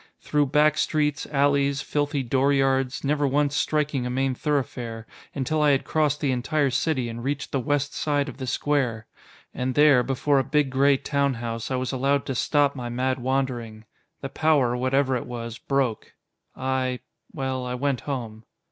Through back streets, alleys, filthy dooryards never once striking a main thoroughfare until I had crossed the entire city and reached the west side of the square. And there, before a big gray town house, I was allowed to stop my mad wandering. The power, whatever it was, broke. I well, I went home."